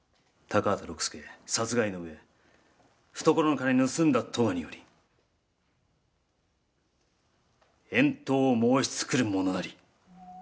高畑六助、殺害の上懐の金を盗んだとがにより遠島を申しつくるものなり。